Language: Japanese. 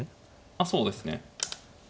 あっそうですね。